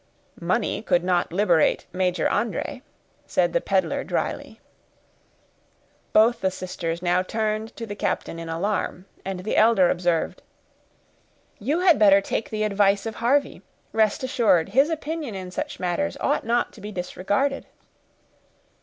"Money could not liberate Major André," said the peddler, dryly. Both the sisters now turned to the captain in alarm, and the elder observed,— "You had better take the advice of Harvey; rest assured, his opinion in such matters ought not to be disregarded."